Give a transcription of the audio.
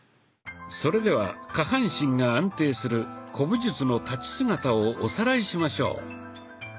それでは下半身が安定する古武術の立ち姿をおさらいしましょう。